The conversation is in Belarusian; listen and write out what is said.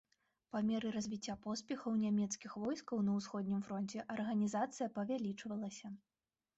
Па меры развіцця поспехаў нямецкіх войскаў на ўсходнім фронце арганізацыя павялічвалася.